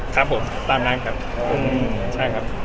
ครับผมตามนั่งครับ